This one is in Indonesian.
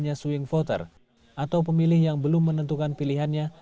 pemilihan pasangan yang belum menentukan pilihannya